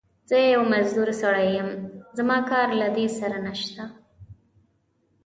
زه يو مزدور سړی يم، زما کار له دې سره نشته.